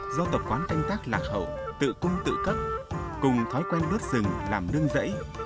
do tập quán canh tác lạc hậu tự cung tự cất cùng thói quen lướt rừng làm nương rẫy